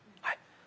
はい。